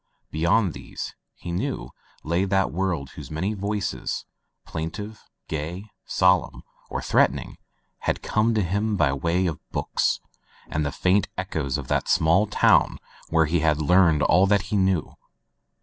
Be yond these, he knew, lay that world whose many voices, plaintive, gay, solemn, or threatening, had come to him by way of books and the faint echoes of that small town where he had learned all that he knew.